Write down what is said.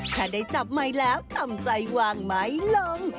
ถ้าได้จับไมค์แล้วทำใจวางไหมลง